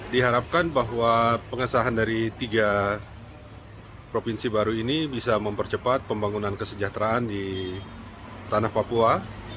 diharapkan bahwa pengesahan dari tiga provinsi baru ini bisa mempercepat pembangunan kesejahteraan di tanah papua